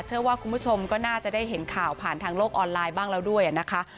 เชื่อว่าคุณผู้ชมก็น่าจะได้เห็นข่าวผ่านทางโลกออนไลน์บ้างแล้วด้วยนะคะ